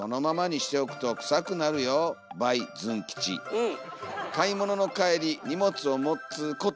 うん。